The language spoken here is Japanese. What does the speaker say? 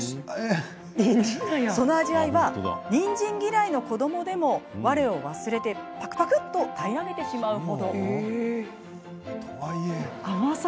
その味わいはにんじん嫌いの子どもでもわれを忘れてぱくぱくっと平らげてしまう程。